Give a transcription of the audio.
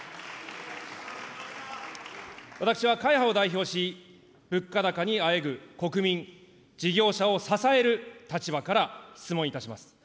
私は会派を代表し、物価高にあえぐ国民、事業者を支える立場から質問いたします。